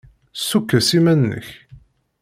Ssukkes iman-nnek.